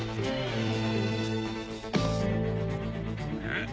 ん？